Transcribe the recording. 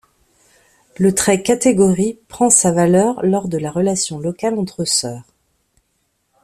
Le trait catégorie prend sa valeur lors de la relation locale entre soeur.